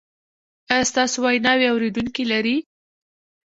ایا ستاسو ویناوې اوریدونکي لري؟